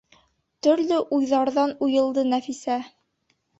Төрлө уйҙарҙарҙан уйылды Нәфисә.